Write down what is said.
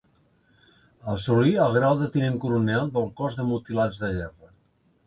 Assolí el grau de tinent coronel del cos de mutilats de guerra.